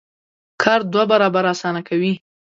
کار دوه برابره اسانه کوي.